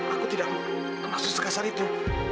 aku tidak maksud sekasar itu